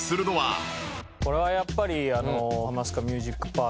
これはやっぱりあの。